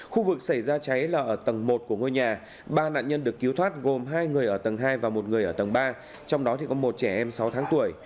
khu vực xảy ra cháy là ở tầng một của ngôi nhà ba nạn nhân được cứu thoát gồm hai người ở tầng hai và một người ở tầng ba trong đó có một trẻ em sáu tháng tuổi